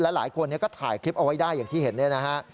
หลายคนก็ถ่ายคลิปเอาไว้ได้อย่างที่เห็นเนี่ยนะฮะ